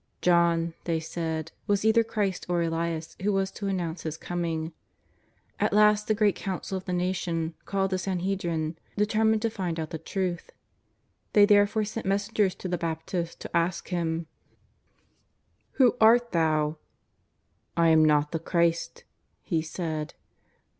John, they said, was either Christ or Elias who was to announce His Coming. At last the great Council of the nation, called the San hedrin, determined to find out the truth. They there fore sent messengers to the Baptist to ask him: "Who art thou?'' " I am not the Christ," he said.